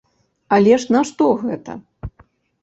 Але ж нашто гэта?